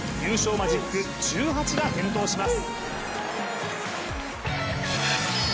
マジック１８が点灯します。